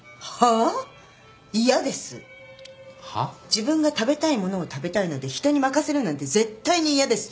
自分が食べたいものを食べたいので人に任せるなんて絶対に嫌です。